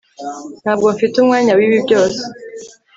ntabwo mfite umwanya wibi byose